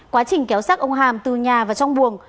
quá trình kéo sát ông hàm từ nhà vào trong buồng